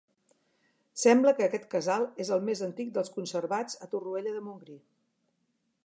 Sembla que aquest casal és el més antic dels conservats a Torroella de Montgrí.